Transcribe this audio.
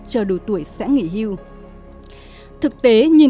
chờ đủ tuổi sẽ nghỉ hưu thực tế nhìn